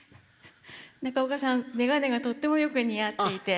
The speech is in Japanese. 中岡さんメガネがとってもよく似合っていて。